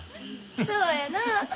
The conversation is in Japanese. そうやなあ。